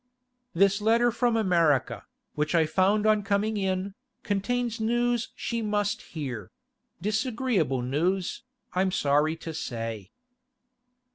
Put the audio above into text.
'This letter from America, which I found on coming in, contains news she must hear—disagreeable news, I'm sorry to say.